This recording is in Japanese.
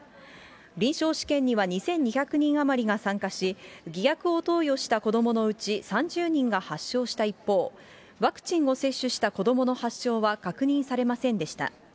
臨床試験には２１００人余りが参加し、偽薬を投与した子どものうち３０人が発症した一方、ワクチンを接種した子どもの発症は確認されませんでした。